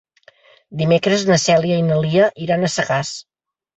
Dimecres na Cèlia i na Lia iran a Sagàs.